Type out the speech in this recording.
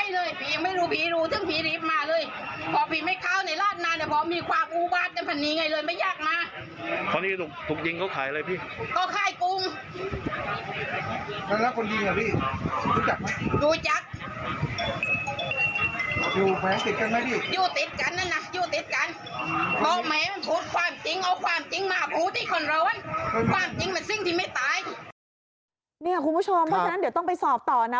คุณผู้ชมเพราะฉะนั้นเดี๋ยวต้องไปสอบต่อนะ